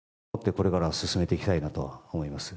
これから進めていきたいなと思います。